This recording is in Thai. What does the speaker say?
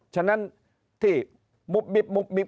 ฉะนั้นที่มุบมิบมุบมิบ